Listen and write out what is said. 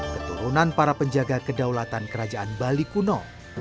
keturunan para penjaga kedaulatan kerajaan bali kuno